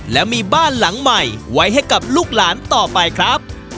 และมีบ้านหลังใหม่ไว้ให้กับลูกหลานต่อไปครับ